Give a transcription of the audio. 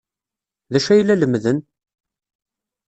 D acu ay la lemmden?